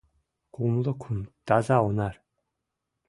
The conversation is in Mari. Кумло кум таза онар